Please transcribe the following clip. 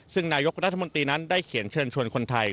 ซึ่งนายกรัฐมนตรีนั้นได้เขียนเชิญชวนคนไทย